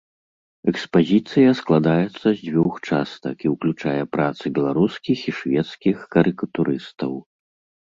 Экспазіцыя складаецца з дзвюх частак і ўключае працы беларускіх і шведскіх карыкатурыстаў.